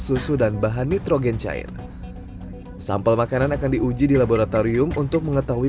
susu dan bahan nitrogen cair sampel makanan akan diuji di laboratorium untuk mengetahui